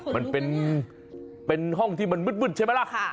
มันเป็นห้องที่มันมืดใช่ไหมล่ะ